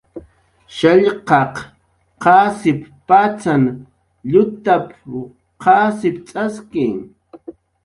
"Shallqaq qasip patzan llutap"" qasipt'aski"